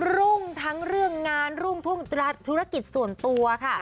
รุ่งทั้งเรื่องงานรุ่งทุ่งธุรกิจส่วนตัวค่ะ